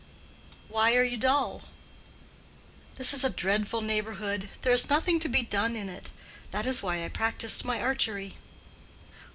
"Why are you dull?" "This is a dreadful neighborhood. There is nothing to be done in it. That is why I practiced my archery."